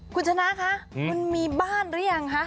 คุณชนะคะคุณมีบ้านหรือยังคะ